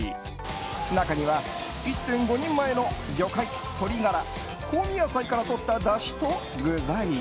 中には１．５人前の魚介鶏ガラ、香味野菜からとっただしと具材。